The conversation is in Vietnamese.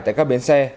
tại các biến xe